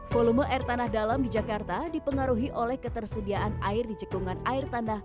volume air tanah dalam di jakarta dipengaruhi oleh ketersediaan air di cekungan air tanah